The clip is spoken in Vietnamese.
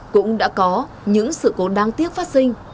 cũng đã có những sự cố đáng tiếc phát sinh